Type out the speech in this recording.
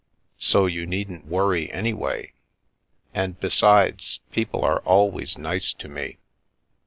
So you needn't worry, anyway. And, besides, people are always nice to me."